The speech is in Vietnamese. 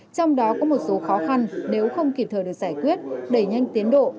trong đó có một số khó khăn nếu không kịp thời được giải quyết đẩy nhanh tiến độ